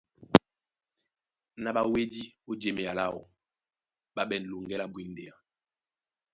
Ná ɓá wédí ó jěmea láō, ɓá ɓɛ̂n loŋgɛ́ lá bwindea.